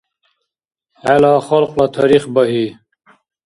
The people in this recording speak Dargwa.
ХӀела халкьла тарих багьи!